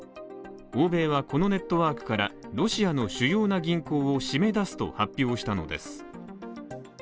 欧米は、このネットワークからロシアの主要な銀行を締め出すと発表したのです。